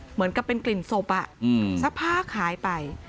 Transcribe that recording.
เหมือนกับเป็นกลิ่นศพสักพักหายไป